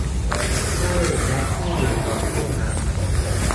ชื่อและที่อยู่ของผู้รับ